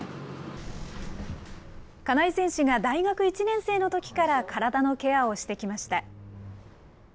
金井選手が大学１年生のときから、体のケアをしてきました。